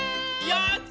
やった！